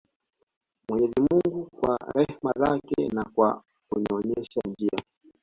Mwenyezi mungu kwa rehma zake na kwa kunionyesha njia